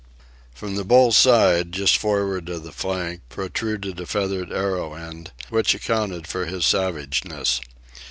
From the bull's side, just forward of the flank, protruded a feathered arrow end, which accounted for his savageness.